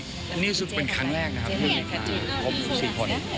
ใช่ครับอันนี้สุดเป็นครั้งแรกนะครับที่มีมา๔คน